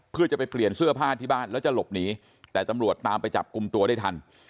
เพื่อจะไปเปลี่ยนเสื้อผ้าที่บ้านแล้วจะหลบหนีแต่ตำรวจตามไปจับกลุ่มตัวได้ทัน